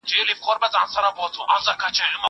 هغه څوک چي ليکنې کوي پوهه زياتوي!!